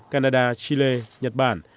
canada chile nhật bản